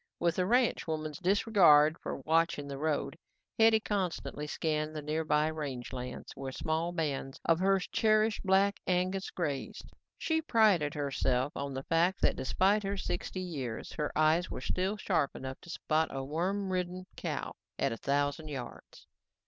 With a ranch woman's disregard for watching the road, Hetty constantly scanned the nearby range lands where small bands of her cherished black Angus grazed. She prided herself on the fact that despite her sixty years, her eyes were still sharp enough to spot a worm ridden cow at a thousand yards.